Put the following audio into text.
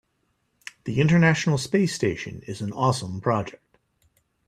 The international space station is an awesome project.